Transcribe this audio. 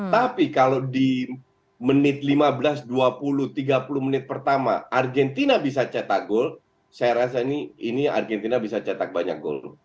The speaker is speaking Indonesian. tapi kalau di menit lima belas dua puluh tiga puluh menit pertama argentina bisa cetak gol saya rasa ini argentina bisa cetak banyak gol